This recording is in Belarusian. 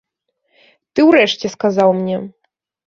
Ты ўрэшце сказаў мне.